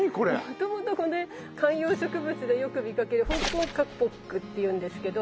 もともとこれ観葉植物でよく見かけるホンコンカポックっていうんですけど。